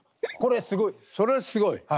これすごい。それすごい。